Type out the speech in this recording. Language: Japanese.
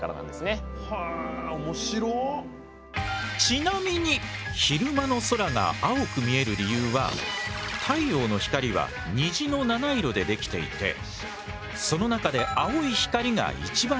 ちなみに昼間の空が青く見える理由は太陽の光は虹の７色で出来ていてその中で青い光が一番